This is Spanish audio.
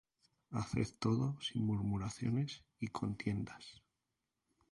Haced todo sin murmuraciones y contiendas,